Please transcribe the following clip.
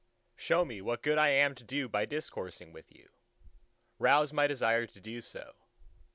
... Show me what good I am to do by discoursing with you. Rouse my desire to do so.